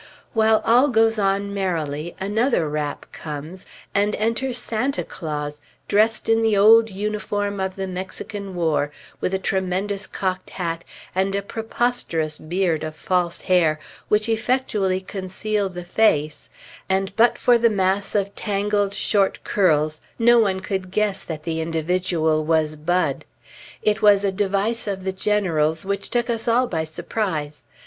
While all goes on merrily, another rap comes, and enter Santa Claus, dressed in the old uniform of the Mexican War, with a tremendous cocked hat, and preposterous beard of false hair, which effectually conceal the face, and but for the mass of tangled short curls no one could guess that the individual was Bud. It was a device of the General's, which took us all by surprise.